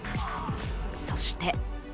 そして。